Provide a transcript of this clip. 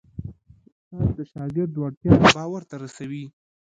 استاد د شاګرد وړتیا باور ته رسوي.